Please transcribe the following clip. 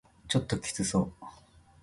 ちょっときつそう